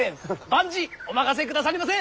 万事お任せくださりませ！